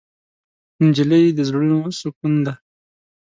نجلۍ د زړونو سکون ده.